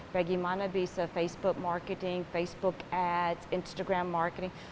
bagaimana bisa facebook marketing facebook ad instagram marketing